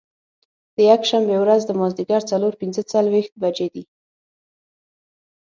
د یکشنبې ورځ د مازدیګر څلور پنځه څلوېښت بجې دي.